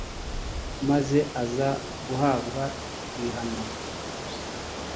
maze aza guhabwa ibihano